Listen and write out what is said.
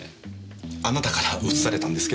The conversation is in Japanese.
あなたからうつされたんですけど。